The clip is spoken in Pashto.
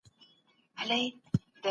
زه اوس نوی داستان لولم.